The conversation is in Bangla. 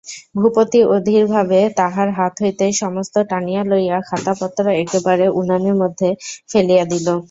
ভূপতি অধীরভাবে তাহার হাত হইতে সমস্ত টানিয়া লইয়া খাতাপত্র একেবারে উনানের মধ্যে ফেলিয়া দিল।